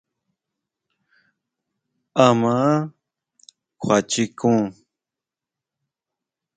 ¿Áʼma kjuachikun?